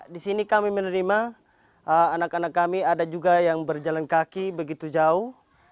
di sini kami menerima anak anak kami ada juga yang berjalan kaki begitu jauh